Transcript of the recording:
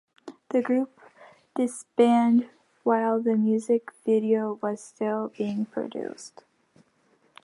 The group disbanded while the music video was still being produced.